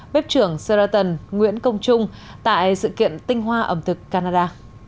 bếp trưởng seraton nguyễn công trung tại sự kiện tinh hoa ẩm thực canada